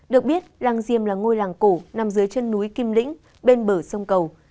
được biết làng diêm là ngôi làng cổ nằm dưới chân núi kim lĩnh bên bờ sông cầu